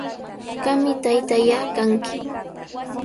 Qami taytallaa kanki.